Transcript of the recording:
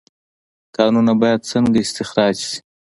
کانونه باید څنګه استخراج شي؟